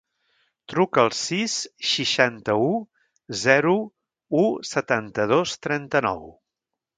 Truca al sis, seixanta-u, zero, u, setanta-dos, trenta-nou.